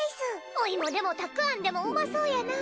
お芋でもたくあんでもうまそうやな。